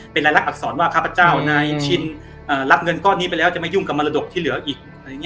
เป็นรายลักษรว่าข้าพเจ้านายชินรับเงินก้อนนี้ไปแล้วจะไม่ยุ่งกับมรดกที่เหลืออีก